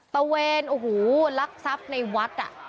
ตะเวนโอ้โหลักทรัพย์ในวัด